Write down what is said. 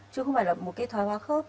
chứ không phải là một cái thoái hóa khớp